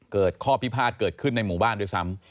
เกิดข้อพิพาทเกิดขึ้นในหมู่บ้านด้วยซ้ำ